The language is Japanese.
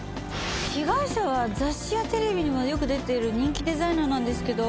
被害者は雑誌やテレビにもよく出てる人気デザイナーなんですけど。